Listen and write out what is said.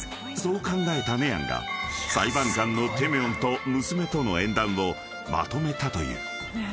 ［そう考えたネアンが裁判官のテミョンと娘との縁談をまとめたという。